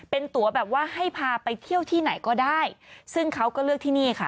เป็นตัวแบบว่าให้พาไปเที่ยวที่ไหนก็ได้ซึ่งเขาก็เลือกที่นี่ค่ะ